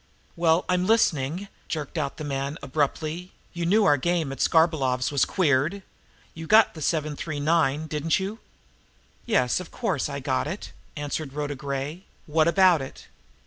"Well, I'm listening!" jerked out the man abruptly. "You knew our game at Skarbolov's was queered. You got the 'seven three nine,' didn't you?" "Yes, of course, I got it," answered Rhoda Gray. "What about it?"